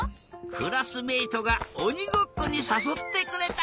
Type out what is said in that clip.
クラスメートがおにごっこにさそってくれた。